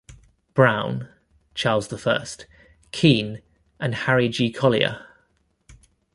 Brown, Charles the First. Keene, and Harry G. Collier.